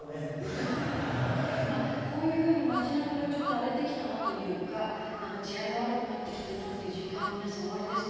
まあこういう風に街なかがちょっと荒れてきたなというかなんか治安が悪くなってきたなっていう実感は皆さんおありですか？